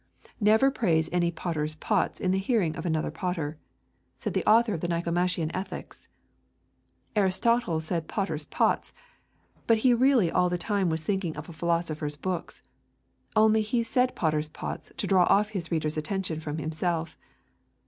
Never praise any potter's pots in the hearing of another potter, said the author of the Nicomachean Ethics. Aristotle said potter's pots, but he really all the time was thinking of a philosopher's books; only he said potter's pots to draw off his readers' attention from himself.